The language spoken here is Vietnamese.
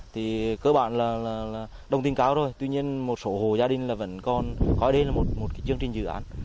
thì cơ bản là đồng tin cao rồi tuy nhiên một số hồ gia đình vẫn còn có đến một chương trình dự án